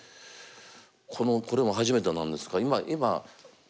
このこれも初めてなんですが今。